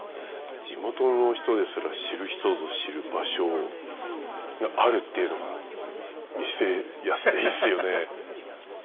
地元の人ですら知る人ぞ知る場所があるっていうのがミステリアスでいいっすよね。